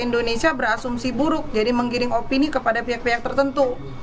indonesia berasumsi buruk jadi menggiring opini kepada pihak pihak tertentu